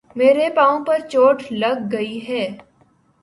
میرے پاؤں پر چوٹ لگ گئی ہے